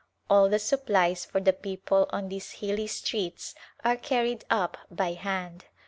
All the supplies for the people on these hilly streets are carried up by hand.